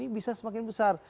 bisa semakin besar